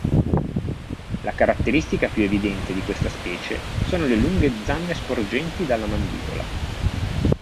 La caratteristica più evidente di questa specie sono le lunghe zanne sporgenti dalla mandibola.